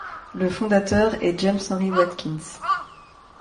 Le fondateur est James Henri Watkins.